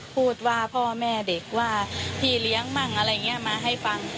พูดว่าพ่อแม่เด็กว่าพี่เลี้ยงมั่งอะไรอย่างนี้มาให้ฟัง